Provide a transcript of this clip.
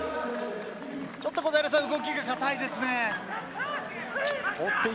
ちょっと小平さん動きが硬いですね。